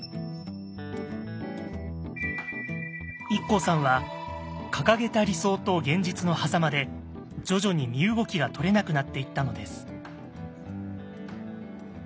ＩＫＫＯさんは掲げた理想と現実のはざまで徐々に身動きがとれなくなっていったのです。